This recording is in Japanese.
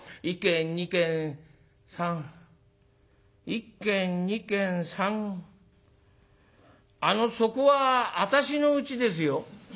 １軒２軒３あのそこは私のうちですよ」。